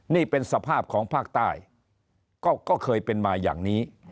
นี่เป็นสภาพของภาคใต้ก็เคยเป็นมาอย่างนี้